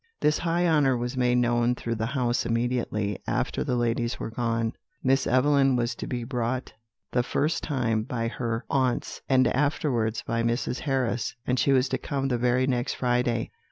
"This high honour was made known through the house immediately after the ladies were gone. Miss Evelyn was to be brought the first time by her aunts, and afterwards by Mrs. Harris; and she was to come the very next Friday.